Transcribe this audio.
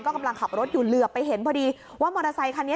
กำลังขับรถอยู่เหลือไปเห็นพอดีว่ามอเตอร์ไซคันนี้